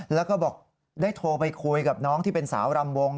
แล้วก็บอกได้โทรไปคุยกับน้องที่เป็นสาวรำวง